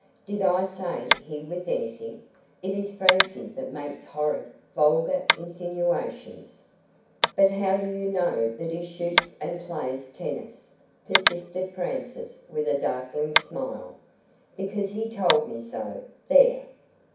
"Did I say he was anything? It is Francie that makes horrid, vulgar insinuations." "But how do you know that he shoots and plays tennis?" persisted Frances, with a darkling smile. "Because he told me so there!"